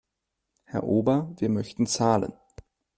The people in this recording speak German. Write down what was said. Herr Ober, wir möchten zahlen.